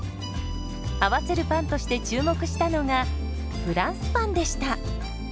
合わせるパンとして注目したのがフランスパンでした。